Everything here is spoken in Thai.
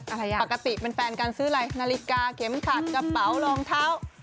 อะไรอ่ะปกติเป็นแฟนการซื้ออะไรนาฬิกาเข็มขัดกระเป๋ารองเท้า